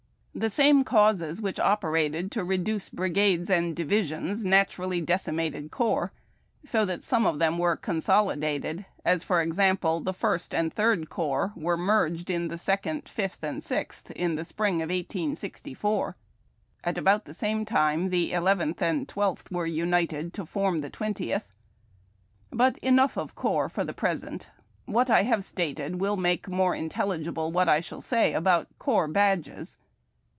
The same causes which operated to reduce brigades and divisions naturall}' decimated corps, so that some of them were consolidated; as, for example, the First and Third Corps were merged in the Second, Fifth, and Sixth, in the spring of 1864. At about the same time the Eleventh and Twelfth were united to form tlie Twentieth. But enougli of corps for the present. What I have stated will make more intelligible what I shall say about CORPS BADGES.